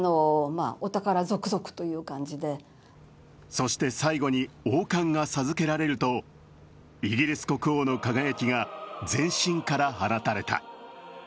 そして最後に王冠が授けられるとイギリス国王の輝きが全身から放たれた。